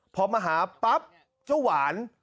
พอมาหาปั๊บเจ้าหวาน